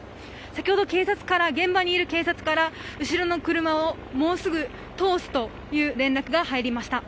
先ほど、現場にいる警察から後ろの車をもうすぐ通すという連絡が入りました。